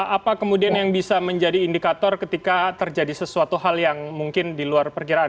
apa kemudian yang bisa menjadi indikator ketika terjadi sesuatu hal yang mungkin di luar perkiraan